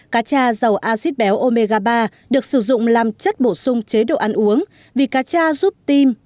cá cha dầu acid béo omega ba được sử dụng làm chất bổ sung chế độ ăn uống vì cá cha giúp tim